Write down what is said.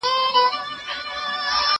زه به اوږده موده سندري اورېدلي وم؟